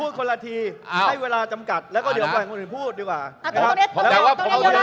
พูดคนละทีให้เวลาจำกัดแล้วก็เดี๋ยวบอกให้คนอื่นพูดดีกว่า